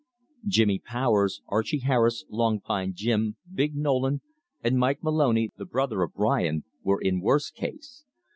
Jimmy Powers, Archie Harris, Long Pine Jim, Big Nolan, and Mike Moloney, the brother of Bryan, were in worse case.